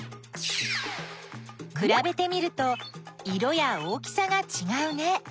くらべてみると色や大きさがちがうね。